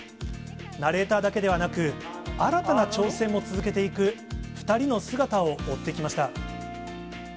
ナレーターだけではなく、新たな挑戦も続けていく２人の姿を追ってきました。